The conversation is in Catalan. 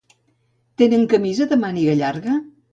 Tenen camisa de màniga llarga?